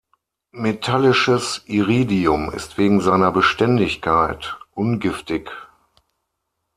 Metallisches Iridium ist wegen seiner Beständigkeit ungiftig.